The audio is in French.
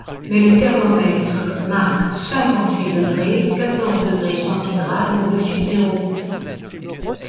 Mais le thermomètre marque cinquante-huit degrés quatorze degré centigrade au-dessus de zéro !